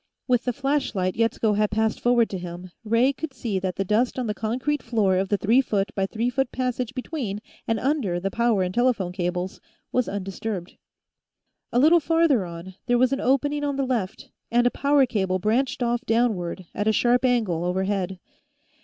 With the flashlight Yetsko had passed forward to him, Ray could see that the dust on the concrete floor of the three foot by three foot passage between and under the power and telephone cables was undisturbed. A little farther on, there was an opening on the left, and a power cable branched off downward, at a sharp angle, overhead.